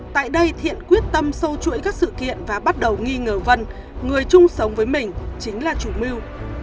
tại đây thiện quyết tâm sâu chuỗi các sự kiện và bắt đầu nghi ngờ vân người chung sống với mình chính là chủ mưu